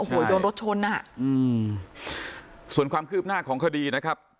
โอ้โหโดนรถชนอ่ะอืมส่วนความคืบหน้าของคดีนะครับ